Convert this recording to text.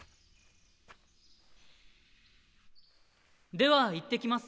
では行ってきます。